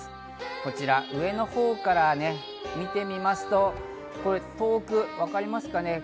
こちら、上のほうから見てみますと、遠く、わかりますかね。